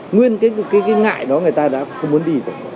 nguyên cái ngại đó người ta đã không muốn đi